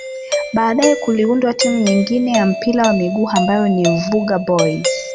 Baadae kuliundwa timu nyengine ya mpira wa miguu ambayo ni Vuga Boys